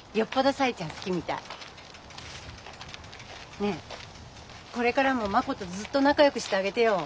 ねえこれからもマコとずっとなかよくしてあげてよ。